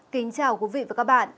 kính chào quý vị và các bạn